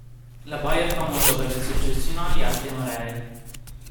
La baia è famosa per le sue eccezionali alte maree.